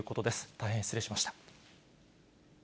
大変失礼しました。